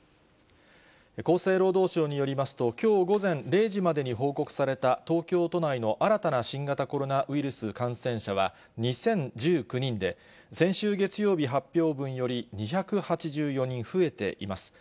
厚生労働省によりますと、きょう午前０時までに報告された東京都内の新たな新型コロナウイルス感染者は２０１９人で、先週月曜日発表分より２８４人増えています。